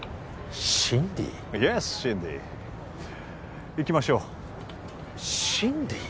イエスシンディー行きましょうシンディー？